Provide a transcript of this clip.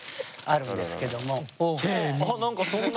あ何かそんな。